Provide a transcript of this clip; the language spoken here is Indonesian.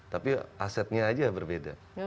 tapi asetnya aja berbeda